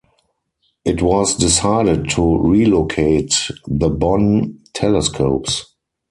It was decided to relocate the Bonn telescopes.